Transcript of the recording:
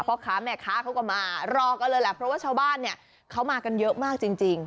พ่อค้าแม่ค้าเขาก็มารอกันเลยแหละเพราะว่าชาวบ้านเนี่ยเขามากันเยอะมากจริง